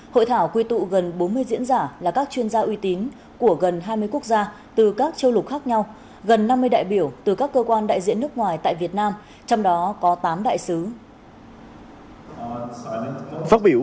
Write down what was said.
hội thảo quy tụ gần bốn mươi diễn giả là các chuyên gia uy tín của gần hai mươi quốc gia từ các châu lục khác nhau gần năm mươi đại biểu từ các cơ quan đại diện nước ngoài tại việt nam trong đó có tám đại sứ